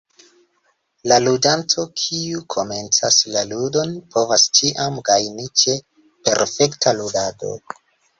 La ludanto, kiu komencas la ludon povas ĉiam gajni ĉe perfekta ludado.